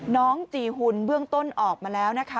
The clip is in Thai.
น้องจีหุ่นเบื้องต้นออกมาแล้วนะคะ